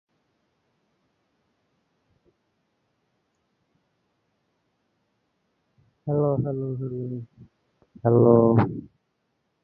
In this text, it refers to the act of making cartoon films.